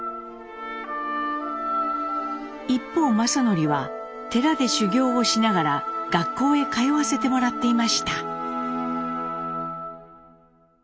一方正順は寺で修行をしながら学校へ通わせてもらっていました。